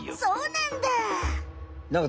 そうなんだ！